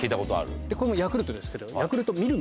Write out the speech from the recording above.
これもヤクルトですけど。